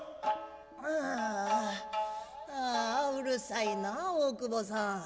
「ああうるさいなあ大久保さん」。